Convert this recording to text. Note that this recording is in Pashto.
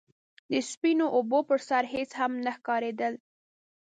د سپينو اوبو پر سر هيڅ هم نه ښکارېدل.